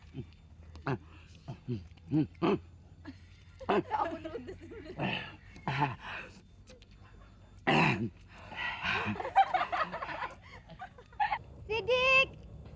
jamanes itu anak